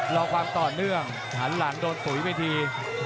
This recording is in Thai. รอความต่อเนื่องหันหลังโดนปุ๋ยไปที